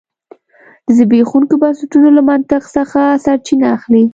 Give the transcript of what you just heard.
د زبېښونکو بنسټونو له منطق څخه سرچینه اخلي.